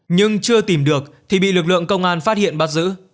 nhưng chưa tìm được thì bị lực lượng công an phát hiện bắt giữ